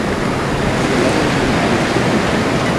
A lo largo de su vida dirigió varios coros.